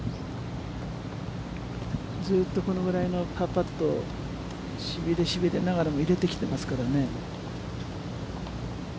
ずっとこのぐらいのパーパット、しびれ、しびれながらも入れてきていますからね。